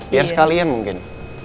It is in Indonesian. biar sekalian mungkin